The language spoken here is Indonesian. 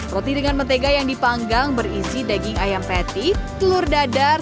roti dengan mentega yang dipanggang berisi daging ayam patty telur dadar